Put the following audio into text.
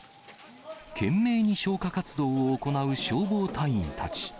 懸命に消火活動を行う消防隊員たち。